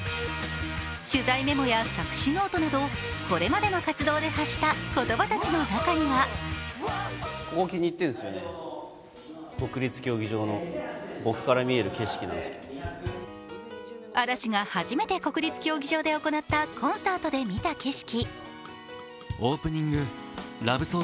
取材メモや作詞ノートなど、これまでの活動で発した言葉たちの中には嵐が初めて国立競技場で行ったコンサートで見た景色。